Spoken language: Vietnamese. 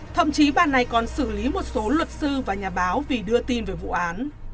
thậm chí ban này còn xử lý một số luật sư và nhà báo vì đưa tin về vụ án